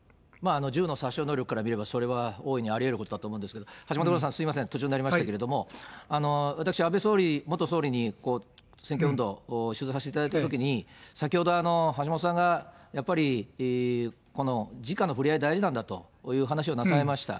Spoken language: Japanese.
銃の殺傷能力から見ればそれは大いにありうることだと思いますが、橋本五郎さん、すみません、途中になりましたけれども、私、安倍元総理に選挙運動、取材させていただいたときに、先ほど、橋本さんがやっぱり直のふれあい大事なんだという話をなさいました。